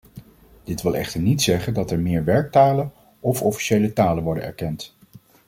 Dit wil echter niet zeggen dat er meer werktalen of officiële talen worden erkend.